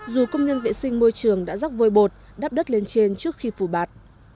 dù công nhân vệ sinh môi trường đã rắc vôi bột đắp đất lên trên trước khi phủ bạt